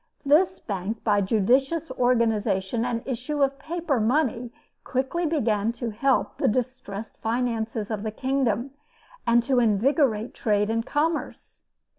This bank, by a judicious organization and issue of paper money, quickly began to help the distressed finances of the kingdom, and to invigorate trade and commerce.